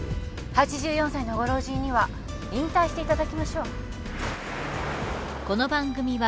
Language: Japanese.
８４歳のご老人には引退していただきましょう。